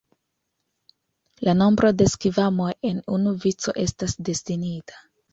La nombro de skvamoj en unu vico estas destinita.